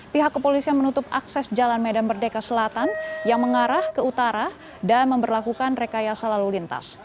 pihak kepolisian menutup akses jalan medan merdeka selatan yang mengarah ke utara dan memperlakukan rekayasa lalu lintas